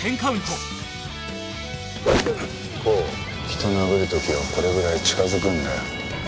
人を殴る時はこれぐらい近づくんだよ。